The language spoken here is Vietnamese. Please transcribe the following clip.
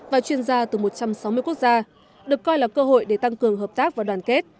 và chuyên gia từ một trăm sáu mươi quốc gia được coi là cơ hội để tăng cường hợp tác và đoàn kết